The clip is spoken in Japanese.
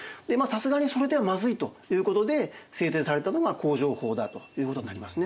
さすがにそれではまずいということで制定されたのが工場法だということになりますね。